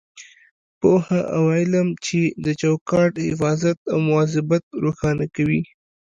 پوهه او علم دی چې د چوکاټ حفاظت او مواظبت روښانه کوي.